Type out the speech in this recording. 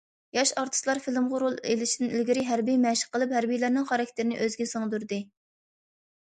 ياش ئارتىسلار فىلىمغا رول ئىلىشتىن ئىلگىرى ھەربىي مەشىق قىلىپ، ھەربىيلەرنىڭ خاراكتېرىنى ئۆزىگە سىڭدۈردى.